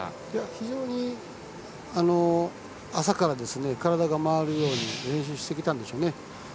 非常に朝から体が回るように練習してきたんでしょうね。